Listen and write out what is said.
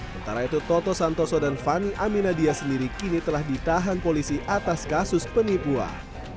mentara itu toto santoso dan fani aminadia sendiri kini telah ditahan polisi atas kasus penipuan